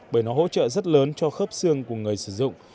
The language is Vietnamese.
bởi nó hỗ trợ rất lớn cho khớp xương của người sử dụng